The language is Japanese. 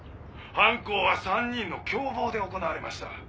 犯行は３人の共謀で行われました。